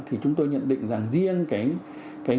thì chúng tôi nhận định rằng riêng cái nguồn